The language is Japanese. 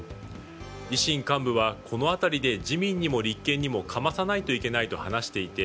維新幹部は、この辺りで自民にも立憲にもかまさないといけないと話していて